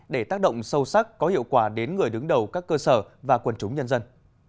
để tác động sâu sắc có hiệu quả đến người đứng đầu các cơ sở và quần chúng nhân dân